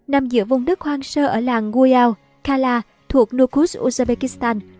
nằm giữa vùng đất hoang sơ ở làng goyal kala thuộc nurkut uzbekistan